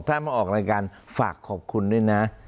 ถ้ามาออกรายการฝากขอบคุณด้วยนะ